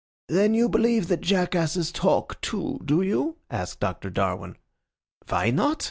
"Then you believe that jackasses talk, too, do you?" asked Doctor Darwin. "Why not?"